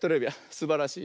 すばらしい。